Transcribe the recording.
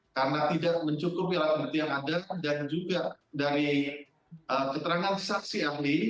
karena tidak mencukupi alat bukti yang ada dan juga dari keterangan saksi ahli